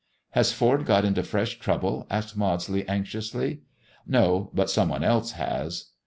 "Has Ford got into fresh trouble?" asked Maudsley anxiously. " No, but some one else has.